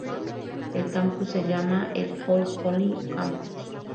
El campus se llama el Old Colony Campus.